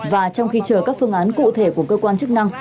và trong khi chờ các phương án cụ thể của cơ quan chức năng